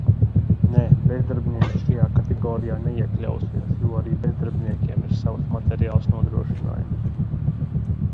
Nē, bezdarbnieki šajā kategorijā neiekļausies, jo arī bezdarbniekiem ir savs materiāls nodrošinājums.